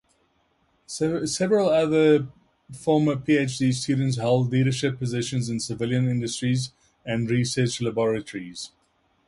Several other former Ph.D. students hold leadership positions in civilian industries and research laboratories.